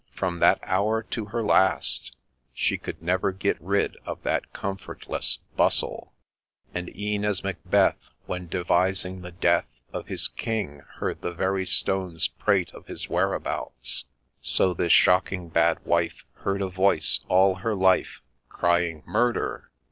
— From that hour to her last She could never get rid of that comfortless ' Bustle I ' And e'en as Macbeth, when devising the death Of his King, heard ' the very stones prate of his whereabouts;' So this shocking bad wife heard a voice all her life Crying ' Murder